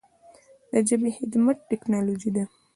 د ژبې خدمت ټکنالوژي ده.